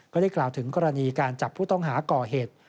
ก็ได้กล่าวถึงกรณีการจับผู้ต้องหาก่อเหตุ